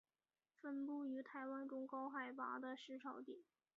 分布于台湾中高海拔的潮湿地。